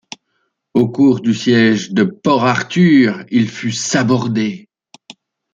Au cours du siège de Port-Arthur, il fut sabordé.